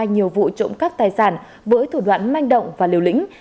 nhiều vụ trộm cắp tài sản với thủ đoạn manh động và liều lĩnh